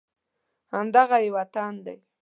همدغه یې وطن دی